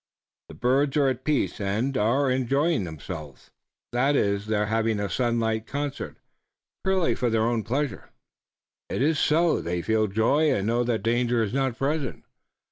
The birds are at peace and are enjoying themselves." "That is, they're having a sunlight concert, purely for their own pleasure." "It is so. They feel joy and know that danger is not present.